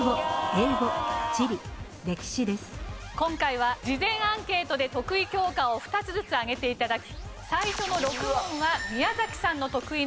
今回は事前アンケートで得意教科を２つずつ挙げて頂き最初の６問は宮崎さんの得意な国語。